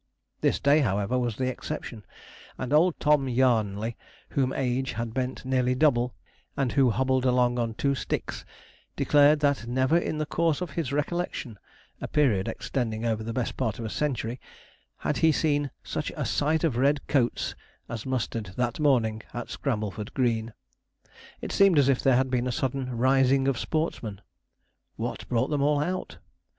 This day, however, was the exception; and Old Tom Yarnley, whom age had bent nearly double, and who hobbled along on two sticks, declared that never in the course of his recollection, a period extending over the best part of a century, had he seen such a 'sight of red coats' as mustered that morning at Scrambleford Green. It seemed as if there had been a sudden rising of sportsmen. What brought them all out?